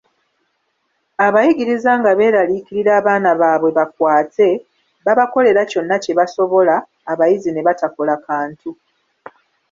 Abayigiriza nga beeraliikirira abaana baabwe bakwate, babakolera kyonna kye basobola, abayizi ne batakola kantu.